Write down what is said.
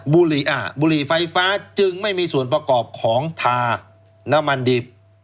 บุหรี่ไฟฟ้าจึงไม่มีส่วนประกอบของทาน้ำมันดิบ